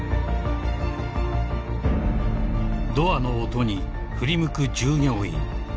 ［ドアの音に振り向く従業員］